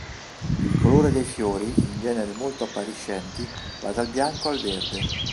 Il colore dei fiori, in genere molto appariscenti, va dal bianco al verde.